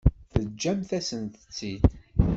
Teǧǧamt-asent-tt-id.